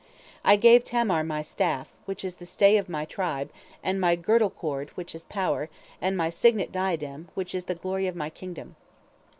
I gave Tamar my staff, which is the stay of my tribe, and my girdle cord, which is power, and my signet diadem, which is the glory of my kingdom.